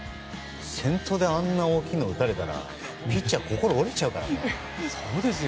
先頭で、あんな大きいのを打たれたらピッチャー心、折れちゃうからね。